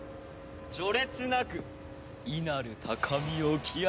序列なく異なる高みを極めし英傑！